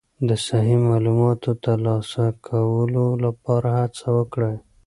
د صحیح معلوماتو ترلاسه کولو لپاره هڅه وکړئ.